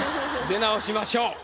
出直しましょう。